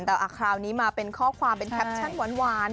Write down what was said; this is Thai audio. แต่คราวนี้มาเป็นข้อความเป็นแคปชั่นหวาน